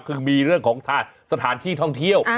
คือมีเรื่องของสถานที่ท่องเที่ยว